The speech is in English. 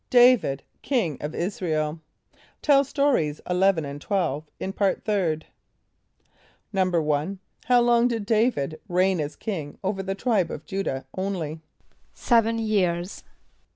David, King of Israel. (Tell Stories 11 and 12 in Part Third.) =1.= How long did D[=a]´vid reign as king over the tribe of J[=u]´dah only? =Seven years.